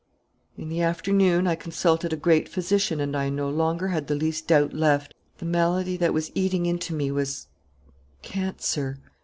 "In the afternoon I consulted a great physician and I no longer had the least doubt left: the malady that was eating into me was cancer.